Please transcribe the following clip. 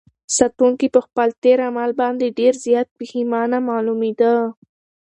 ساتونکي په خپل تېر عمل باندې ډېر زیات پښېمانه معلومېده.